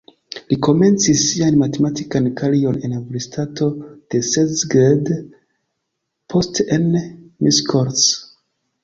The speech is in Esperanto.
Li komencis sian matematikan karieron en universitato de Szeged, poste en Miskolc.